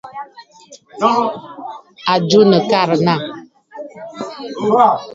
À jɨ nɨ̀karə̀ nâ.